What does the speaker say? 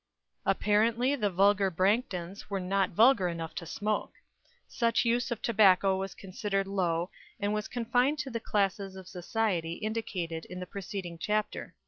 Apparently the vulgar Branghtons were not vulgar enough to smoke. Such use of tobacco was considered low, and was confined to the classes of society indicated in the preceding chapter.